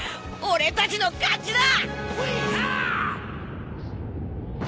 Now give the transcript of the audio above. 俺たちの勝ちだ！